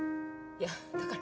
いやだから。